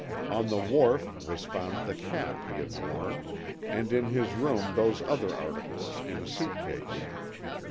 On the wharf was found the cap he had worn and in his room those other articles in a suitcase."